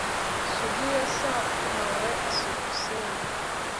sugi yasamanywe isuku, simbi